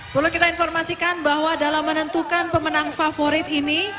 perlu kita informasikan bahwa dalam menentukan pemenang favorit ini